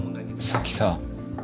さっきさ